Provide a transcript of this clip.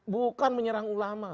bukan menyerang ulama